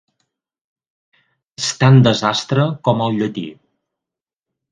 És tan desastre com el llatí.